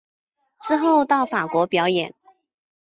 之后到法国表演。